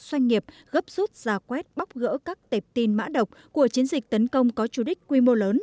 doanh nghiệp gấp rút giả quét bóc gỡ các tệp tin mã độc của chiến dịch tấn công có chủ đích quy mô lớn